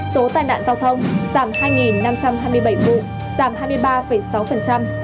số tai nạn giao thông giảm hai năm trăm hai mươi bảy vụ giảm hai mươi ba sáu